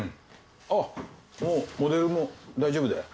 ああもうモデルも大丈夫だよ。